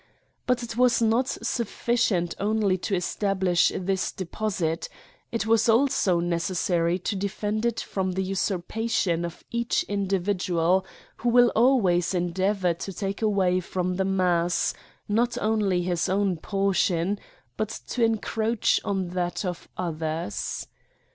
But it was not sufficient only to establish this deposit ; it was also necesr sary to defend it from the usurpation of each in dividual, who will always endeavour to take away from the mass, not only his own portion, but to encroach on that of others.